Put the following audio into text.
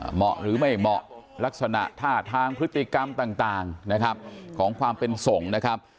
เหมาะหรือไม่เหมาะลักษณะท่าทางพฤติกรรมต่างนะครับของความเป็นส่งนะครับ